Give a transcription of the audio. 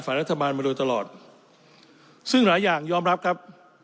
รัฐบาลมาโดยตลอดซึ่งหลายอย่างยอมรับครับ